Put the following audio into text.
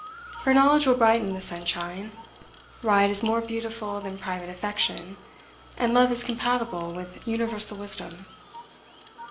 For knowledge will brighten the sunshine; right is more beautiful than private affection; and love is compatible with universal wisdom.